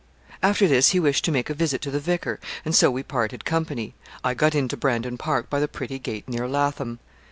After this he wished to make a visit to the vicar, and so we parted company. I got into Brandon Park by the pretty gate near Latham.